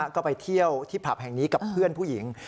ก็ไปเที่ยวที่ผับแห่งนี้กับเพื่อนผู้หญิง